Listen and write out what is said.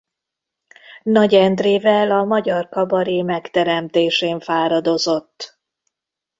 Nagy Endrével a magyar kabaré megteremtésén fáradozott.